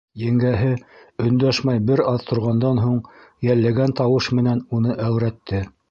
Еңгәһе, өндәшмәй бер аҙ торғандан һуң, йәлләгән тауыш менән уны әүрәтте: